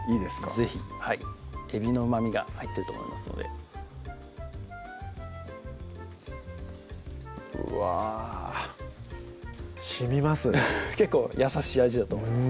是非はいえびのうまみが入ってると思いますのでうわしみますね結構優しい味だと思います